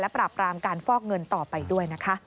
ปราบรามการฟอกเงินต่อไปด้วยนะคะ